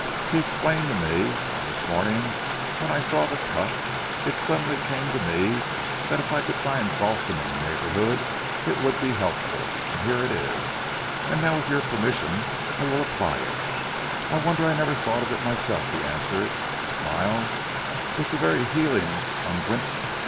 He explained to me, and this morning when I saw the cut, it suddenly came to me that if I could find balsam in the neighbourhood it would be helpful. And here it is, and now with your permission I will apply it." "I wonder I never thought of it myself," he answered with a smile. "It is a very healing ungent.